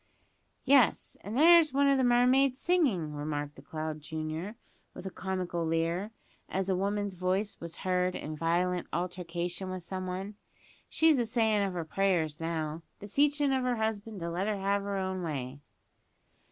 "Yes, and there's one o' the mermaids singing," remarked the clown junior, with a comical leer, as a woman's voice was heard in violent altercation with some one. "She's a sayin' of her prayers now; beseechin' of her husband to let her have her own way."